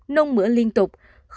một nôn mửa liên tục